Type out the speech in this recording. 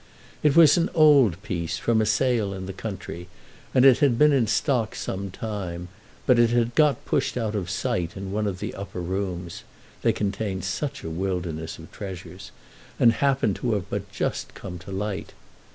It was an old piece, from a sale in the country, and it had been in stock some time; but it had got pushed out of sight in one of the upper rooms—they contained such a wilderness of treasures—and happened to have but just come to light.